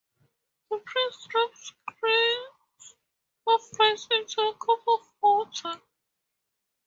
The priest drops grains of rice into a cup of water.